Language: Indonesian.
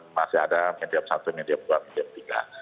masih ada medium satu medium dua medium tiga